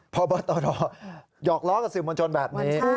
พบตรหยอกล้อกับสื่อมวลชนแบบนี้